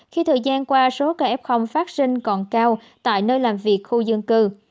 khi thời gian qua số ca f phát sinh còn cao tại nơi làm việc khu dân cư